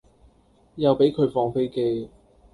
又俾佢放飛機